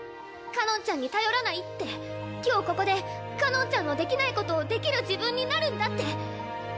かのんちゃんに頼らないって今日ここでかのんちゃんのできないことをできる自分になるんだって！